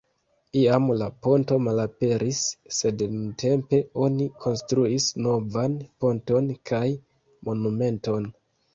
Iam la ponto malaperis, sed nuntempe oni konstruis novan ponton kaj monumenton.